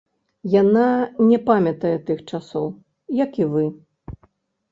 Яна не памятае тых часоў, як і вы.